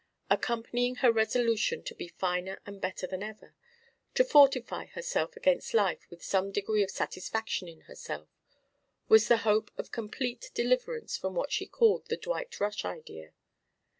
Accompanying her resolution to be finer and better than ever, to fortify herself against life with some degree of satisfaction in herself, was the hope of complete deliverance from what she called the Dwight Rush Idea.